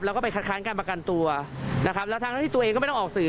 แล้วก็ไปคัดค้านการประกันตัวนะครับแล้วทั้งที่ตัวเองก็ไม่ต้องออกสื่อ